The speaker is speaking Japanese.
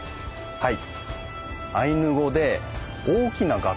はい。